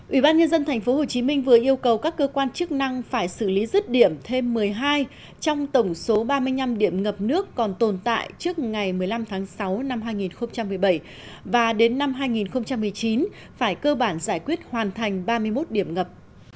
ủy ban nhân dân tp hcm vừa yêu cầu các cơ quan chức năng phải xử lý rứt điểm thêm một mươi hai trong tổng số ba mươi năm điểm ngập nước còn tồn tại trước ngày một mươi năm tháng sáu năm hai nghìn một mươi bảy và đến năm hai nghìn một mươi chín phải cơ bản giải quyết hoàn thành ba mươi một điểm ngập